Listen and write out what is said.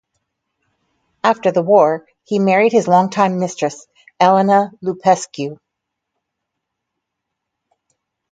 After the war, he married his longtime mistress, Elena Lupescu.